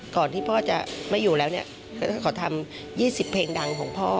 ก่อนที่พ่อจะไม่อยู่แล้วขอทำ๒๐เพลงดังของพ่อ